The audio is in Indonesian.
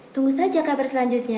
tunggu saja kabar selanjutnya